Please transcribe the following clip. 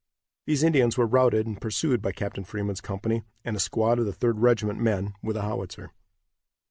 These Indians were routed and pursued by Captain Freeman's company, and a squad of the Third Regiment men, with a howitzer.